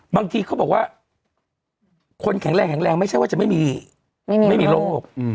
เขาบอกว่าคนแข็งแรงแข็งแรงไม่ใช่ว่าจะไม่มีโรค